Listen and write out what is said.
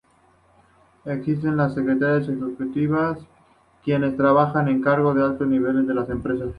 Existen las secretarias ejecutivas, quienes trabajan en cargos de alto nivel en las empresas.